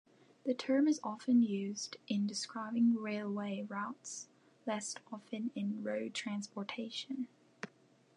The term is often used in describing railway routes, less often in road transportation.